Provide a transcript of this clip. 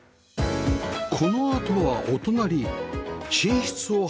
このあとはお隣寝室を拝見します